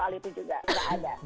jadi cuma rakyatnya yang berpikir